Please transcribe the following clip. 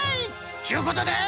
ちゅうことで。